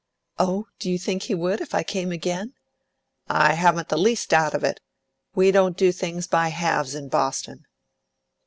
"Oh, do you think he would, if I came again?" "I haven't the least doubt of it. We don't do things by halves in Boston."